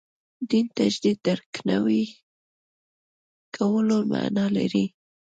دین تجدید درک نوي کولو معنا لري.